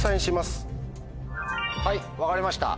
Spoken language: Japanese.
はい分かりました。